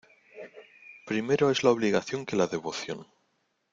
Primero es la obligación que la devoción.